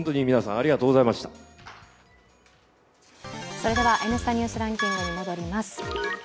それでは「Ｎスタ・ニュースランキング」に戻ります。